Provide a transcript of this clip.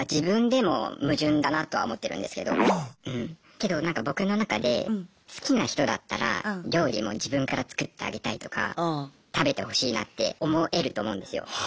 けどなんか僕の中で好きな人だったら料理も自分から作ってあげたいとか食べてほしいなって思えると思うんですよ。